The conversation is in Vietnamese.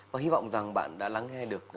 và hy vọng rằng bạn đã lắng nghe được